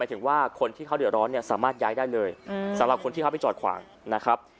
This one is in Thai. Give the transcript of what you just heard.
ถึงว่าคนที่เขาเดือดร้อนเนี่ยสามารถย้ายได้เลยสำหรับคนที่เขาไปจอดขวางนะครับ